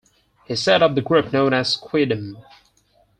He set up the group known as 'Quidem'.